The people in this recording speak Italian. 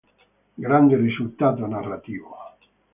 Grande risultato narrativo.